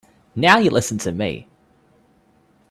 Now you listen to me.